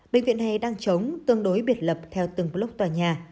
bệnh viện hè đang chống tương đối biệt lập theo từng block tòa nhà